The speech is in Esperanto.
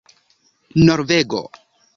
norvego